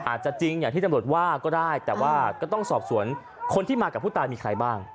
อาจจะจริงอย่างที่ตำรวจว่าก็ได้แต่ว่าก็ต้องสอบสวนคนที่มากับผู้ตายมีใครบ้าง